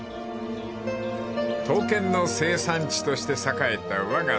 ［刀剣の生産地として栄えたわが瀬戸内市］